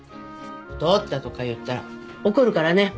太ったとか言ったら怒るからね。